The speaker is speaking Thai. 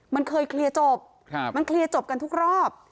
มันเคยเคลียร์จบมันเคลียร์จบกันทุกรอบ